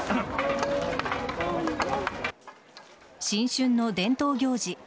新春の伝統行事